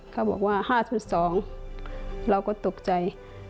เขาบอกว่า๕๒เราก็ตกใจ